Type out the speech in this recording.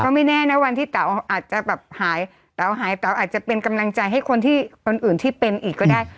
ไม่แน่นะวันที่เต๋าอาจจะแบบหายเต๋าหายเต๋าอาจจะเป็นกำลังใจให้คนที่คนอื่นที่เป็นอีกก็ได้